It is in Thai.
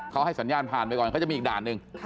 เขาให้สัญญาณผ่านไปก่อนเขาจะมีอีกด่านหนึ่ง